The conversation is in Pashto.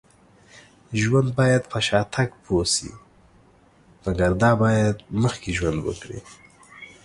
ژوند باید په شاتګ پوه شي. مګر دا باید مخکې ژوند وکړي